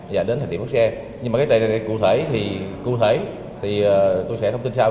và đến thời điểm bắt xe nhưng mà cái đại đại cụ thể thì tôi sẽ thông tin sau